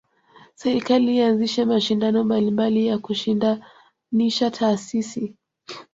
Serekali ianzishe mashindano mbalimbali ya kushindanisha taasisi